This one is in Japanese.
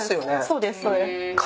そうです。